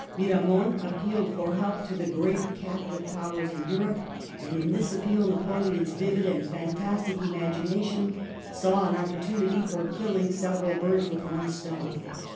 Miramon appealed for help to the great Catholic Powers in Europe, and in this appeal Napoleon's vivid and fantastic imagination saw an opportunity for killing several birds with one stone.